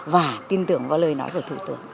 và tin tưởng vào lời nói của thủ tướng